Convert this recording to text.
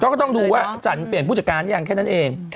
ก็ต้องดูว่าจันเปลี่ยนผู้จัดการหรือยังแค่นั้นเอง